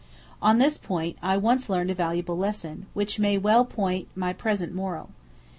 On this point, I once learned a valuable lesson, which may well point my present moral.